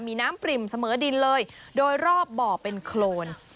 มีน้ำปริ่มเสมอดินเลยโดยรอบบ่อเป็นโครน